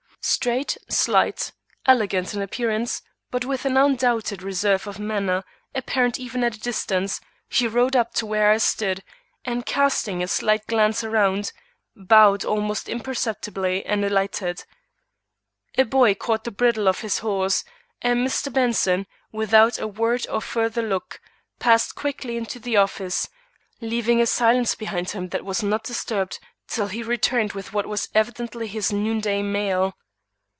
Straight, slight, elegant in appearance, but with an undoubted reserve of manner apparent even at a distance, he rode up to where I stood, and casting a slight glance around, bowed almost imperceptibly, and alighted. A boy caught the bridle of his horse, and Mr. Benson, without a word or further look, passed quickly into the office, leaving a silence behind him that was not disturbed till he returned with what was evidently his noonday mail.